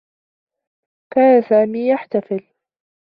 كان سامي يحتفل.